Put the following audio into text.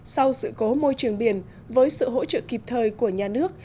sau sự cố môi trường biển với sự hỗ trợ kịp thời của nhà nước